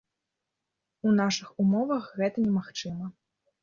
У нашых умовах гэта немагчыма.